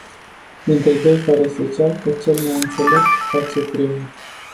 Dintre doi care se ceartă, cel mai înțelept tace primul.